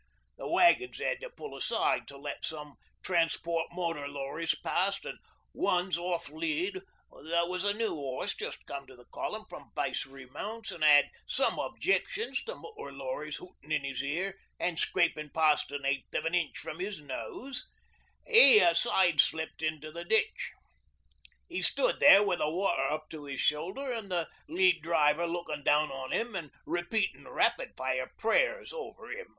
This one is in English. The wagons 'ad to pull aside to let some transport motor lorries past an' One's off lead that was a new 'orse just come to the Column from Base Remounts an' had some objections to motor lorries hootin' in his ear an' scrapin' past a eighth of an inch from his nose 'e side slipped into the ditch. 'E stood there wi' the water up to 'is shoulder an' the lead driver lookin' down on 'im an' repeatin' rapid fire prayers over 'im.